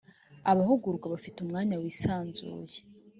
abahugurwa bafite umwanya wisanzuye .